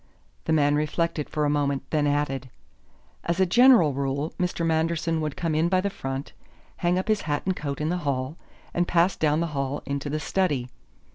The man reflected for a moment, then added: "As a general rule, Mr. Manderson would come in by the front, hang up his hat and coat in the hall, and pass down the hall into the study.